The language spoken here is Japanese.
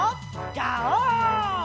ガオー！